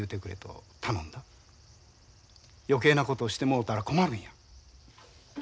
余計なことをしてもろたら困るんや。